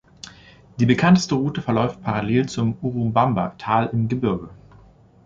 Die bekannteste Route verläuft parallel zum Urubamba-Tal im Gebirge.